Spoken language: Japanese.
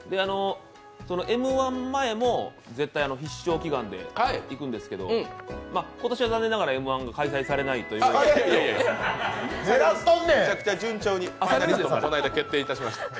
Ｍ−１前も絶対、必勝祈願で行くんですけど今年は残念ながらＭ−１が開催されないというむちゃくちゃ順調に、この間決定いたしました。